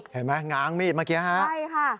เห็นไหมง้างมีดเมื่อกี้ฮะใช่ค่ะ